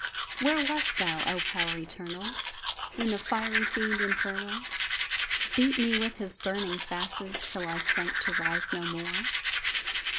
Where wast thou, O Power Eternal! When the fiery fiend, infernal, Beat me with his burning fasces, Till I sank to rise no more?